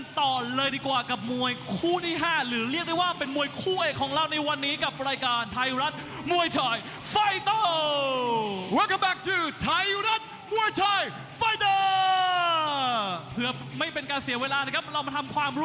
ไทยรัฐมวยไทยไฟเตอร์